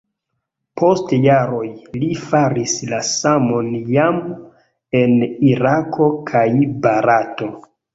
Post jaroj li faris la samon jam en Irako kaj Barato.